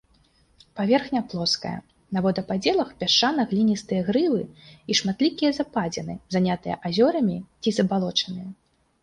Паверхня плоская, на водападзелах пясчана-гліністыя грывы і шматлікія западзіны, занятыя азёрамі ці забалочаныя.